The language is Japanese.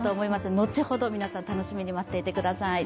後ほど皆さん、楽しみに待っていてください。